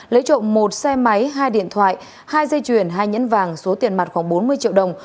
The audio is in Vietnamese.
lấy trộm một xe máy hai điện thoại hai dây chuyền hai nhẫn vàng số tiền mặt khoảng bốn mươi triệu đồng